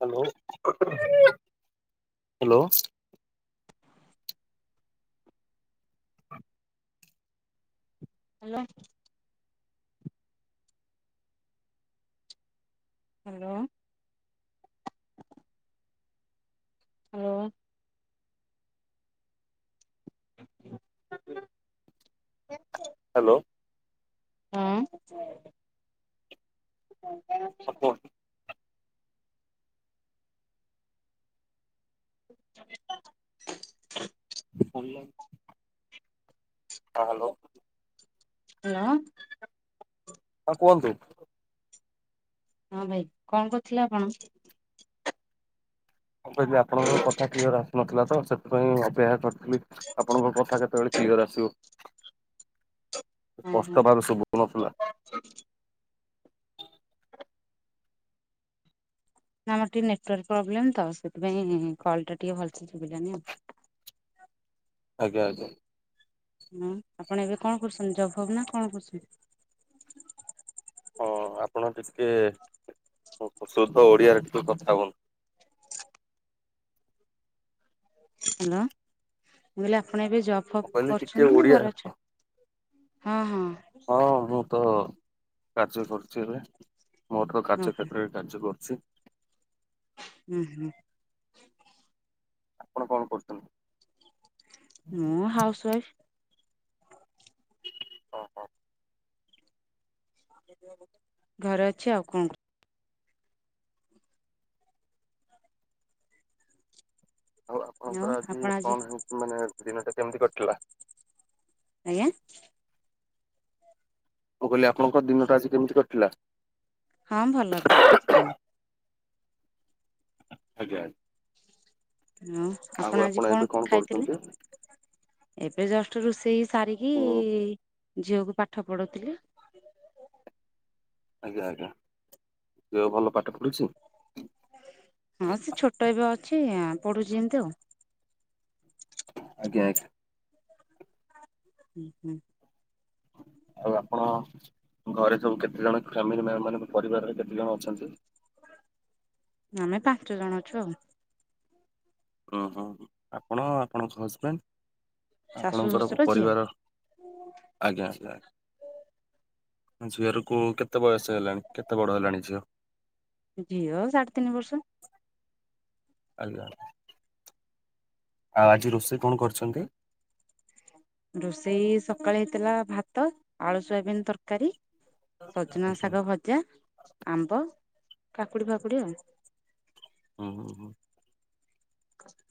Hello hello. Hello. Hello. Hello. [inaudible] Hello. ହୁଁ। [inaudible] [unintelligible] [inaudible] ଭଲ। ହଁ ହ୍ୟାଲୋ। ହ୍ୟାଲୋ। ହଁ କୁହନ୍ତୁ? ହଁ ଭାଇ। କଣ କରୁଥିଲେ ଆପଣ? ମୁଁ କହିଲି ଆପଣଙ୍କର କଥା କ୍ଲିଅର ଆସୁନଥିଲା। ତ ସେଥିପାଇଁ ଅପେକ୍ଷା କରିଥିଲି। ଖାଲି ଆପଣଙ୍କ କଥା କେତେବେଳେ କ୍ଲିଅର ଆସିବ। ହଁ ହଁ ସ୍ପଷ୍ଟ ଭାବରେ ସୁବୁ ନଥିଲା। [inaudible] ନା ଆମର ଟିକେ ନେଟୱାର୍କ ପ୍ରୋବ୍ଲେମ୍ ତ। ସେଥିପାଇଁ କଲ୍ ଟା ଟିକେ ଭଲ ସୁୁଭିଲାନି ଆଉ। ଆଜ୍ଞା। ଆଜ୍ଞା। ହୁଁ ଆପଣ ଏବେ କଣ କରୁଛନ୍ତି। ଜବ୍ ଭବ୍ ନା କଣ କରୁଛନ୍ତି? ହଁ ଆପଣ ଟିକେ ସୁଧ ଓଡ଼ିଆରେ ଟିକେ କଥା ହୁଅନ୍ତୁ। ହ୍ୟାଲୋ। ମୁଁ କହିଲି ଆପଣ ଏବେ ଜବ୍ ମୁଁ ଫବ୍ କହିଲି ଟିକେ କରୁଛନ୍ତି ନା ଓଡିଆ ଘରେ ଅଛନ୍ତି। ହଁ ହଁ। ହଁ ମୁଁ ତ କାର୍ଯ୍ୟ କରୁଛି। ଏବେ ମୋର ତ ହଁ କାର୍ଯ୍ୟକ୍ଷେତ୍ରରେ କାର୍ଯ୍ୟ କରୁଛି। ଉଁ ହୁଁ। ଆପଣ କଣ କରୁଛନ୍ତି? ମୁଁ ହାଉସ୍ୱାଇଫ୍। ଓହୋ। ଘରେ ଅଛି ଆଉ। କଣ କରୁୁ ଆଉ କରିବି ଆଉ ଆପଣଙ୍କର ଆଜି ଆପଣ କଣ। ମାନେ ଦିନଟା କେମିତି କଟିଲଥିଲା। ଆଜ୍ଞା। ମୁଁ କହିଲି ଆପଣଙ୍କ ଦିନଟା ଆଜି କେମିତି କଟିଲା? ହଁ ଭଲରେ ସେଠେଇଛି ଦିନ। ଆଜ୍ଞା। ହଁ ଆଉ ଆପଣ ଆଜି କଣ ଏବେ ଖାଇଥିଲେ? କରୁଛନ୍ତି? ଏବେ ଜଷ୍ଟ ରୋଷେଇ ସାରିକି। ଉଁ ଝିଅକୁ ପାଠ ପଢଉଥିଲି। ଆଜ୍ଞା ଆଜ୍ଞା ଝିଅ ଭଲ ପାଠ ପଢୁଛି? ହଁ ସେ ଛୋଟ [unintelligible] ଅଛି ପଢୁଛି ଏମିତି ଆଉ। ଆଜ୍ଞା [unintelligible] ହୁଁ ହୁଁ। ଆଉ ଆପଣ ଘରେ ସବୁ କେତେ ଜଣ ଫ୍ୟାମିଲି [unintelligible] ମାନେ ପରିବାରରେ କେତେ ଜଣ ଅଛନ୍ତି। ଆମେ ପାଞ୍ଚ ଜଣ ଅଛୁ ଆଉ। ଅଃ ଆପଣ ଆପଣଙ୍କ ହଜବେଣ୍ଡ ଶାଶୁ ଆପଣଙ୍କର ଶ୍ୱଶୁର ଝିଅ। ପରିବାର ଆଜ୍ଞା ଆଜ୍ଞା [unintelligible] ଝିଅ ର କୁ କେତେ ବୟସ ହେଲାଣି କେତେ ବଡ ହେଲାଣି ଝିଅ। ଝିଅ ସାଢ଼େ ତିନି ବର୍ଷ। ଆଜ୍ଞା [unintelligible] ଆଉ ଆଜି ରୋଷେଇ କଣ କରୁଛନ୍ତି। ରୋଷେଇ ସକାଳେ ହେଇଥିଲା ଭାତ ଆଳୁ ସୋୟାବିନ୍ ତରକାରୀ ସଜନା ଆଜ୍ଞା ଶାଗ ଭଜା ଆମ୍ବ କାକୁଡି ଫାକୁଡି ଆଉ। ହୁଁ ହୁଁ ହୁଁ।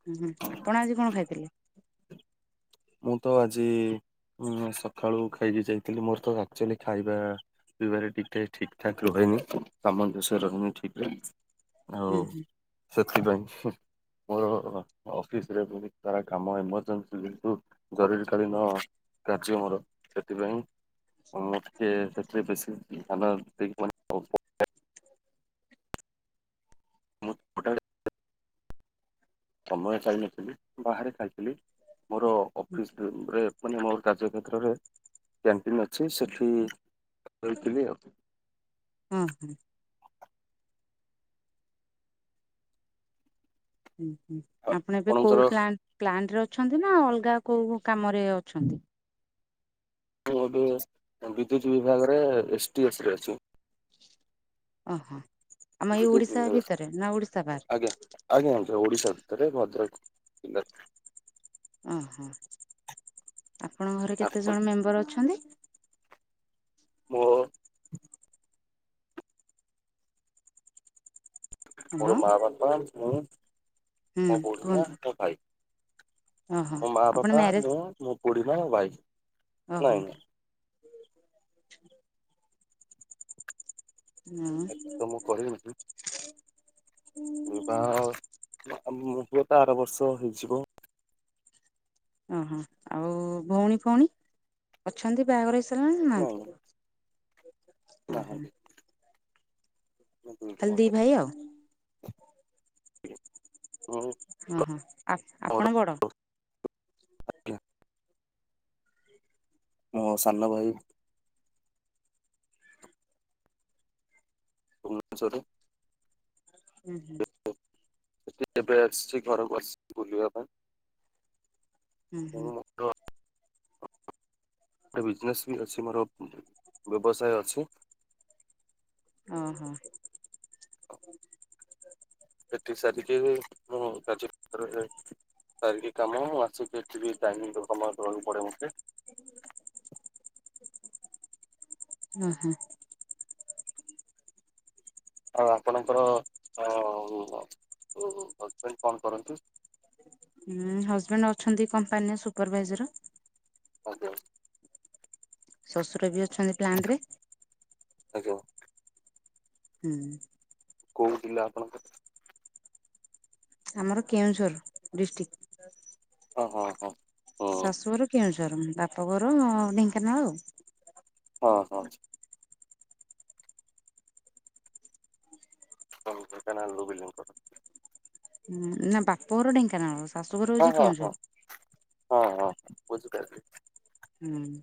ହୁଁ ହୁଁ ଆପଣ ଆଜି କଣ ଖାଇଥିଲେ। ମୁଁ ତ ଆଜି ଉଁ ସଖାଳୁ ଖାଇକି ଯାଇଥିଲି ମୋରୋ ତ ଆକ୍ଚୋଲି ଖାଇବା ପିଇବାରେ [unintelligible] ଠିକ ଠାକ ରୁହେନି ସାମଞ୍ଜସ୍ୟ ରୋହୁନି ଠିକରେ। ହୁଁ ଆଉ ହୁଁ ସେଥିପାଇଁ ମୋରୋ ଅଫିସରେ [unintelligible] ସାରା କାମ ଏମର୍ଜେନ୍ସି ଯେହେତୁ ଜରୁରୀ କାଳୀନ କାର୍ଯ୍ୟ ମୋରୋ ସେଥିପାଇଁ। [unintelligible] [unintelligible] ସେଥିରେ ବେଶୀ ଧ୍ୟାନ। [unintelligible] [unintelligible] ସମୟ ପାଇନଥିଲି ବାହାରେ ଖାଇଥିଲି ମୋରୋ ଅଫିସ [unintelligible] ରେ ମାନେ ମୋରୋ କାର୍ଯ୍ୟ କ୍ଷେତ୍ରରେ କ୍ୟାଣ୍ଟିନ ଅଛି ସେଠି [unintelligible] ଆଉ ଅହଁ। ଉଁହୁଁ ଆପଣ ଏବେ ଆପଣଙ୍କର କୋଉ ପ୍ଲା ପ୍ଲାଣ୍ଟ ରେ ଅଛନ୍ତି ନା ଅଲଗା କୋଉ କାମରେ ଅଛନ୍ତି। ମୁଁ ଏବେ ବିଦ୍ୟୁତ ବିଭାଗରେ ଏସ୍ ଟି [unintelligible] ରେ ଅଛି। ଅଃ ଆମ ଏଇ ବିଦ୍ୟୁତ ଓଡିଶା ବିଭାଗ ଭିତରେ ନା ଓଡିଶା ବାହାରେ। ଆଜ୍ଞା [unintelligible] ଓଡ଼ିଶା ଭିତରେ ଭଦ୍ରାକ। [unintelligible] ଉଁହୁଁ ଆପଣଙ୍କ ଘରେ କେତେ ଆପଣ ଜଣ ମେମ୍ବର ଅଛନ୍ତି। [unintelligible] ହ୍ୟାଲୋ ମୋର ମା ବାପା ମୁଁ ହୁଁ ମୋ ବୁଢ଼ୀ ମା କୁହନ୍ତୁ। ଆଉ ଭାଇ। ଓହୋ ମୋ ମା ଆପଣ ବାପା ମ୍ୟାରେଜ ମୁଁ ମୋ ବୁଢ଼ୀମା ଆଉ ଭାଇ। ନାଇଁ ଅଃ। ନାଇଁ [inaudible] ଏଠି ତ ମୁଁ କରିନି [unintelligible] ବିବାହ [unintelligible] ଆର ବର୍ଷ ହେଇଯିବ। ଅଃ ଆଉ ଭୋଉଣୀ ଫୋଉଣୀ ଅଛନ୍ତି ବାହାଘର ହେଇ [unintelligible] ନାଇଁ ନାହାନ୍ତି। ନାଇଁ ଓହୋ ନାହାନ୍ତି। ମୁଁ ଦୁଇ ଜଣ ଖାଲି ଦି ଭାଇ ଆଉ। ଭାଇ ମୁଁ ହଁ ହଁ ଆ ମୋର ଆପଣ ବଡ଼। ମୋ ସାନ ଭାଇ ଭୁବନେଶ୍ୱରରେ। ଉଁହୁଁ। [unintelligible] ଏବେ ଆସିଛି ଘରକୁ ଆସିି ବୁଲିବା ପାଇଁ। ମୁଁ ଉଁହୁଁ। ମୋର ଗୋଟେ ବିଜନେସ୍ ବି ଅଛି ମୋରୋ ବ୍ୟବସାୟ ଅଛି। ଅଃ। ଏଠି ସାରିକିବି ମୁଁ କାର୍ଯ୍ୟକ୍ଷେତ୍ର ଯାଏ। ସାରିକି କାମଁ ଆସିକି ଏଠି ଟାଇମ୍ ଦେବାକୁ ପଡେ ମୋତେ। ଉଁ ହୁଁ। ଆଉ ଆପଣଙ୍କର ହଜବେଣ୍ଡ କଣ କରନ୍ତି? ହଁ ହଜବେଣ୍ଡ ଅଛନ୍ତି କମ୍ପାନୀରେ ସୁପରଭାଇଜର। ଓହୋ। ଶଶୁର ବି ଅଛନ୍ତି ପ୍ଲାଣ୍ଟରେ। ଆଜ୍ଞା। ହୁଁ। କୋଉ ଜିଲ୍ଲା ଆପଣଙ୍କର? ଆମର କେଉଁଝର ଡିଷ୍ଟ୍ରିକ୍ଟ। [inaudible] ଓହୋ। ଶାଶୁଘର କେଉଝର ବାପଘର ଢେଙ୍କାନାଳ ଆଉ। ଓହୋ। ଓହୋ କାହିଁକି ନା ଆଳୁ ବିଲିଂ କରୁ। ନା ବାପାଘର ଢେଙ୍କାନଳ। ହଁ ହଁ ହଁ ହଁ ହଁ ହଁ ବୁଝିପାରିଲି। ହୁଁ।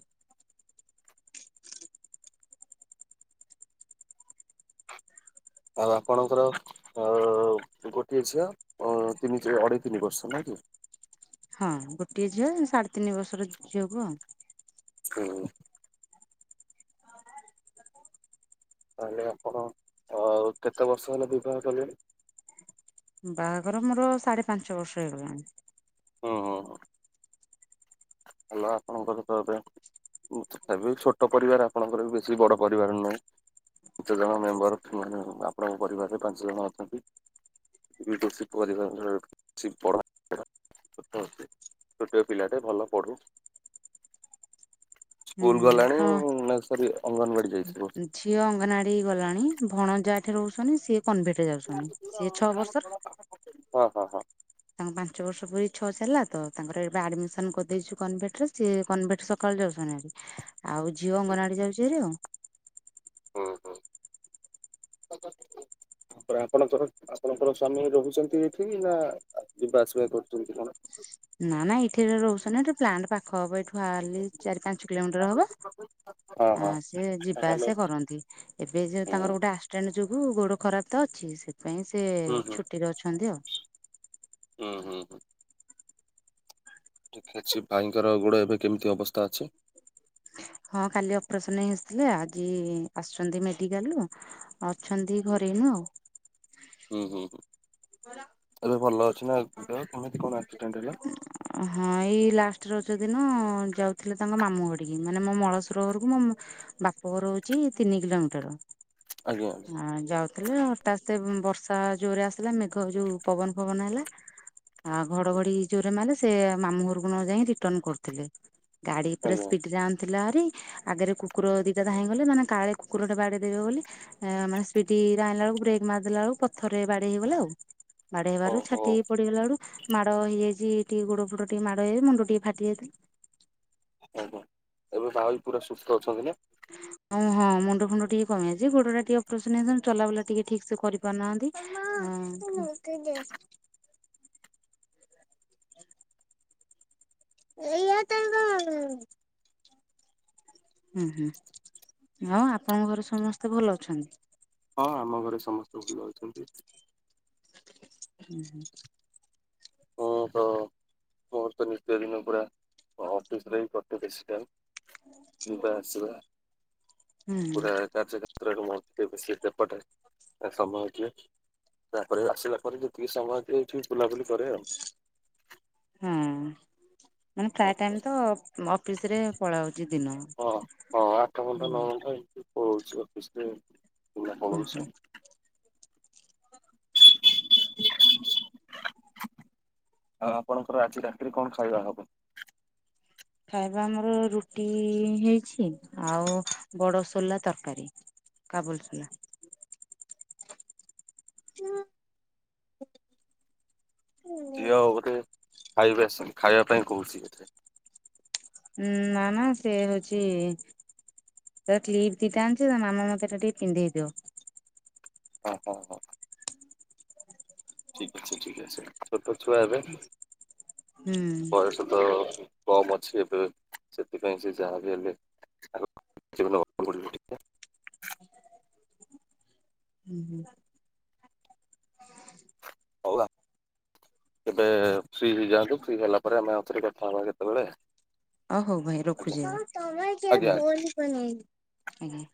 ଆଉ ଆପଣଙ୍କର ଅ ଗୋଟିଏ ଝିଅ ଅ ତିନି ଅଢେଇ ତିନି ବର୍ଷ ନାଇଁ କି? ହଁ ଗୋଟିଏ ଝିଅ ସାଢେ ତିନି ବର୍ଷର ଝିଅକୁ ଆଉ। ହଁ। ତାହେଲେ ଆପଣ କେତେ ବର୍ଷ ହେଲା ବିବାହ କଲେଣି? ବାହାଘର ମୋର ସାଢେ ପାଞ୍ଚ ବର୍ଷ ହେଇଗଲାଣି। ହୁଁ ହୁଁ ହୁଁ ହେଲ ଆପଣଙ୍କର ତ ଏବେ ତଥାପି ଛୋଟ ପରିବାର ଆପଣଙ୍କର ବି ବେଶୀ ବଡ ପରିବାର ନୁହେଁ। କେତ ଜଣ ମେମ୍ବର ଆପଣଙ୍କ ପରିବାରରେ ପାଞ୍ଚ ଜଣ ଅଛନ୍ତି। [unintelligible] ଛୋଟ ପିଲାଟେ ଭଲ ପଢୁ। ସ୍କୁଲ ହୁଁ। ଗଲାଣି ହଁ। ନା ସରି ଅଙ୍ଗନବାଡି ଯାଇଛି। ଝିଅ ଅଙ୍ଗନାଡି ଗଲାଣି ଭଣଜା ଏଠି ରହୁଛନ୍ତି ସିଏ କନଭଟେ ଯାଉଛନ୍ତି ସିଏ ଛଅ ବର୍ଷର। ହଁ ହଁ ହଁ। ତାଙ୍କୁ ପାଞ୍ଚ ବର୍ଷ ପୁରୀ ଛଅ ଚାଲିଲା ତ, ତାଙ୍କର ଏବେ ଆଡମିସନ କରିଦେଇଛୁ କନଭେଟରେ ସିଏ କନଭେଟ୍ ସକାଳେ ଯାଉଛନ୍ତି। ଆଉ ଝିଅ ଅଙ୍ଗନଆଡି ଯାଉଛି ହାରି ଆଉ। ହୁଁ ହୁଁ। ତା ଆପଣଙ୍କର ଆପଣଙ୍କର ସ୍ଵାମୀ ରହୁଛନ୍ତି ଏଠି ନା ଯିବା ଆସିବା କରୁଛନ୍ତି କଣ? ନା ନା ଏଠି ରହୁଛନ୍ତି ନା ଏ ପ୍ଲାଣ୍ଟ ପାଖ ହବ ଏଇଠୁ ହାଡଲି ଚାରି ପାଞ୍ଚ କିଲୋମିଟର ହବ। ହଁ ଆଁ ହଁ ସିଏ ଯିବା ହ୍ୟାଲୋ ଆସିବା କରନ୍ତି। ଏବେ ଯ ହୁଁ ତାଙ୍କର ଗୋଟେ ଆସିଡେଣ୍ଟ ଯୋଗୁ ଗୋଡ ଖରାପ ତ ଅଛି ସେଥିପାଇଁ ସେ ହୁଁ ଛୁଟି ଛୁଟିରେ ଅଛନ୍ତି ଆଉ। ହୁଁ ହୁଁ ହୁଁ। ଠିକ ଅଛି ଭାଇଙ୍କର ଗୋଡ ଏବେ କେମିତି ଅବସ୍ଥା ଅଛି? ହଁ କାଲି ଅପରେସନ ହେଇ ଆସିଥିଲେ ଆଜି ଆସୁଛନ୍ତି ମେଡିକାଲରୁୁ। ଅଛନ୍ତି ଘରେ ଏଇନୁ ଆଉ। ହୁଁ ହୁଁ ହୁଁ। ଘର ଏବେ ଭଲ ଅଛି ନା ଦେହନକେମିତି କଣ ଆକ୍ସିଡେଣ୍ଟ ହେଲା? ହଁ ଏଇ ଲାଷ୍ଟ ରଜ ଦିନ ଯାଉଥିଲେ ତାଙ୍କ ମାମୁଁ ଘଡିକି ମାନେ ମୋ ମଳସୁର ଘରକୁ ମୋ ବାପଘର ହଉଛି ତିନି କିଲୋମିଟର। ଆଜ୍ଞା। ଆ ଯାଉଥିଲେ ହଠାତ୍ ବର୍ଷା ଜୋରରେ ଆସିଲା ମେଘ ଯୋଉ ପବନ ଫବନ ହେଲା। ଆଉ ଘଡଘଡି ଜୋରେ ମାଇଲା ସେ ମାମୁଁ ଘରକୁ ନ ଯାଇ ରିଟର୍ଣ କରୁଥିଲେ। ଗାଡି ପୁରା ଆଜ୍ଞା ସ୍ପିଡରେ ଆଣିୁଥିଲା ଆରି ଆଗରେ କୁ କୁକୁର ଦୁଇଟା ଧାଇଁ ଗଲେ ମାନେ କାଳେ କୁକୁରା ବାଡ଼ିେଇ ଦେବେ ବୋଲି। ମାନେ ସ୍ପିଡ ଆଣିଲା ବେଳକୁ ବ୍ରେକ୍ ମାରଦେଲା ବେଳକୁ ପଥରରେ ବାଡେଇ ହେଇଗଲେ ଆଉ ବାଡେଇବାରୁ ଛା ଓହୋ ତେଇପଡ଼ଗ ଡୁ ମାଡ ହେଇଯାଇଛି ଟିକେ ଗୋଡ ଫୁଡ ଟିକେ ମାଡ଼ ହେଇ ମୁଣ୍ଡ ଟିକେ ଫାଟି ଯାଇଥିଲା। ଆଜ୍ଞା ଏବେ ଭାଇ ବି ପୁରା ସୁସ୍ଥ ଅଛନ୍ତି ନା? ହଁ ହଁ ମୁଣ୍ଡୁ ଫୁଣ୍ଡ ଟିକେ କମି ଯାଇଛି। ଗୋଡଟା ଟିକେ ଅପରେସନ ହେଇଚି ଚଲାବୁଲା ଟିକେ ଠିକ୍ ସେ କରିପାରୁନାହାନ୍ତି। ସେେ ଏଇ ତ ହୁଁ ହୁଁ, ଆଉ ଆପଣଙ୍କ ଘରେ ସମସ୍ତେ ଭଲ ଅଛନ୍ତି? ହଁ ଆମ ଘରେ ସମସ୍ତେ ଭଲ ଅଛନ୍ତି। ହୁଁ ହୁଁ। ମୁଁ ତ ମୋର ତ ନିିତ୍ୟ ଦିନ ପୁରା ଅଫିସରେ କଟେ ବେଶ ଟାଇମ୍। [unintelligible] ପୁରା କାର୍ଯ୍ୟକ୍ଷେତ୍ରରେ [unintelligible] ସମୟ ଦିଏ। ତାପରେ ଆସିଲା ପରେ ଯେତିକି ସମୟ ଅ ଏଇଠି ବୁଲାବୁଲି କରେ ଆଉ। ହଁ ମାନେ ପ୍ରାୟ ଟାଇମ ତ ଅଫିସରେ ପଳାଉଛି ଦିନ। ହଁ ହଁ ହୁଁ ଆଠଘଣ୍ଟା ନଅଘଣ୍ଟା ଏମତି ପଳଉଛି ଅଫିସରେ ଦିନ ହୁଁ ହୁଁ ପଳଉଛି। ଆଉ ଆପଣଙ୍କର ଆଜି ରାତିରେ କଣ ଖାଇବା ହବ? ଖାଇବା ଆମର ରୁଟି ହେଇଛି, ଆଉ ବଡସୋଲା ତରକାରୀ। କାବୁଲି ସୋଲା। ହଁ ଝିଅ ବୋଧେ ଖାଇବେ ଆସି ଖାଇବା ପାଇଁ କହୁଛି ବୋଧେ। ଉଁ ନା ନା ସେ ହଉଛି ତ୍ଲିପ୍ ଦିଟା ଅଣିଛି ତ ମାମ ମତେ ଏଟା ଟିକେ ପିନ୍ଧେଇ ଦିଅ। ଓହୋ। ଠିକ୍ ଅଛି ଠିକ୍ ଅଛି ଛୋଟଛୁଆ ଏବେ। ହୁଁ। ବୟସ ତ କମ୍ ଅଛି ଏବେ ସେଥିପାଇଁ ସେ ଯାହା ବିି ହେଲେ। [unintelligible] ହୁଁ ହୁଁ। [unintelligible] ଏବେ ଫ୍ରୀି ହେଇଯାଆନ୍ତୁ ଫ୍ରି ହେଲା ପରେ ଆମେ ଆଉଥରେ କଥାହବା କେତେବେଳେ। ଓ ହଉ ଭାଇ ଆଜ୍ଞା ଆଜ୍ଞା ଆଜ୍ଞା। ରଖୁଛିା